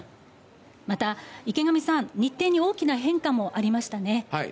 また池上さん、日程に大きな変化もありましたね。